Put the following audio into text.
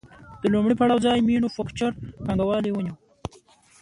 د لومړي پړاو ځای مینوفکچور پانګوالي ونیو